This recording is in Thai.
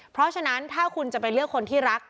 เพราะฉะนั้นถ้าคุณจะไปเลือกคนที่รัก